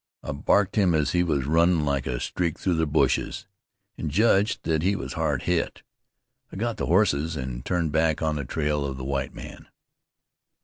"I barked him as he was runnin' like a streak through the bushes, an' judged that he was hard hit. I got the hosses, an' turned back on the trail of the white man."